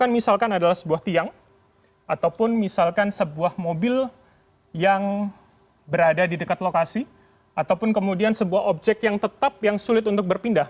misalkan adalah sebuah tiang ataupun misalkan sebuah mobil yang berada di dekat lokasi ataupun kemudian sebuah objek yang tetap yang sulit untuk berpindah